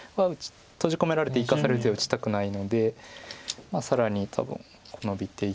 閉じ込められて生かされる手は打ちたくないので更に多分ノビていって。